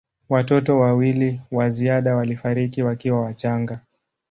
Watoto wawili wa ziada walifariki wakiwa wachanga.